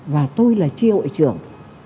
và tôi là chi hội trưởng